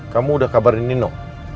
kamu udah kabarin nino